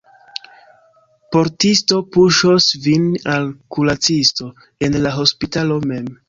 Portisto puŝos vin al kuracisto en la hospitalo mem!